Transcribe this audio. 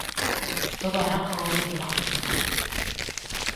Todo arranca o oito de marzo en Qatar.